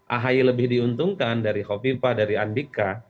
ahy lebih diuntungkan dari hovipa dari andika